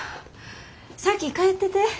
先帰ってて。